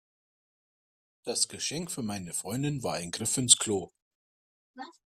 Das Geschenk für meine Freundin war ein Griff ins Klo.